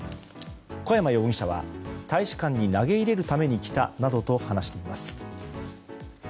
小山容疑者は大使館に投げ入れるために来たと話しています。